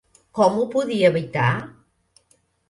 Com ho podia evitar?